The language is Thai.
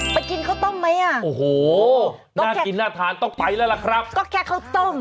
กินข้าวต้มไหมอ่ะโอ้โหน่ากินน่าทานต้องไปแล้วล่ะครับก็แค่ข้าวต้ม